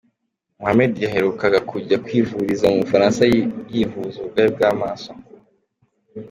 Muhammed yaherukaga kujya kwivuriza mu Bufaransa yivuza uburwayi bw’ amaso.